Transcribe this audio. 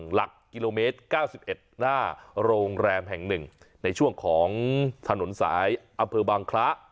หลักกิโลเมตรเก้าสิบเอ็ดหน้าโรงแรมแห่งหนึ่งในช่วงของถนนสายอำเภอบางคละ